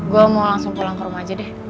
gue mau langsung pulang ke rumah aja deh